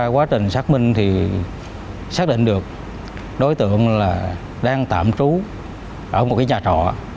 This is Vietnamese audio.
quá trình xác minh thì xác định được đối tượng là đang tạm trú ở một nhà trọ